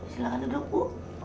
silahkan duduk bu